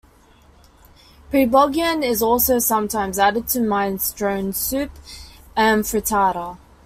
"Preboggion" is also sometimes added to minestrone soup and frittata.